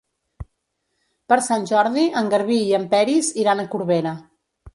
Per Sant Jordi en Garbí i en Peris iran a Corbera.